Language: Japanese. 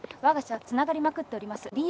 わが社はつながりまくっております。